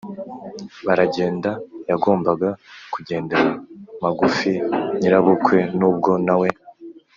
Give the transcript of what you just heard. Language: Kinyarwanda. baragenda. yagombaga kugendera magufi nyirabukwe nubwo na we